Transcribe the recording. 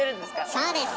そうです！